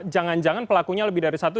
jangan jangan pelakunya lebih dari satu